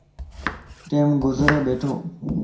ٽيم گزري ٻيھڻو